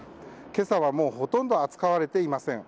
今朝はほとんど扱われていません。